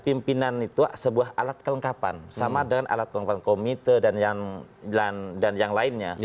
pimpinan itu sebuah alat kelengkapan sama dengan alat kelengkapan komite dan yang lainnya